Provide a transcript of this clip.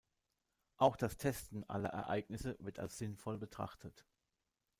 Auch das Testen aller Ereignisse wird als sinnvoll betrachtet.